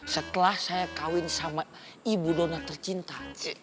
setelah saya kawin sama ibu dona tercinta